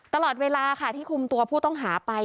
ตลอดเวลาค่ะที่คุมตัวผู้ต้องหาไป